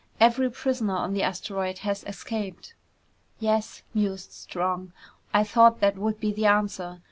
Every prisoner on the asteroid has escaped!" "Yes," mused Strong. "I thought that would be the answer.